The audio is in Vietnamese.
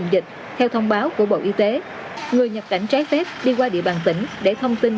dịch theo thông báo của bộ y tế người nhập cảnh trái phép đi qua địa bàn tỉnh để thông tin